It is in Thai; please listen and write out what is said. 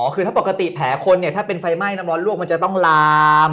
คือถ้าปกติแผลคนเนี่ยถ้าเป็นไฟไหม้น้ำร้อนลวกมันจะต้องลาม